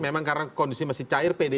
memang karena kondisi masih cair mungkin ya